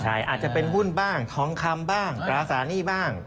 ใช่อาจจะเป็นหุ้นบ้างทองคำบ้างตราสารหนี้บ้าง